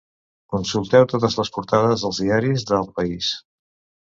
Consulteu totes les portades dels diaris del país.